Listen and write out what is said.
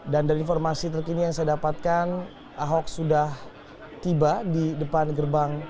dan dari informasi terkini yang saya dapatkan ahok sudah tiba di depan gerbang mabespori